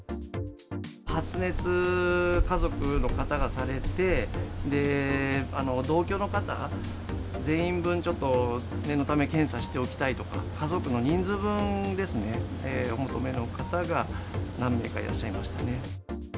発熱、家族の方がされて、同居の方全員分、ちょっと念のため、検査しておきたいとか、家族の人数分ですね、お求めの方が何名かいらっしゃいましたね。